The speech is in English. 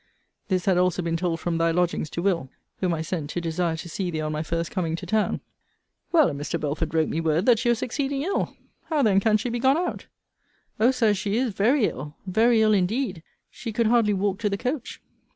This had also been told from thy lodgings to Will. whom I sent to desire to see thee on my first coming to town. Well, and Mr. Belford wrote me word that she was exceeding ill. How then can she be gone out? O Sir, she is very ill; very ill, indeed she could hardly walk to the coach.